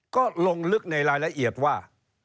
ก็ลงลึกในรายละเอียดว่า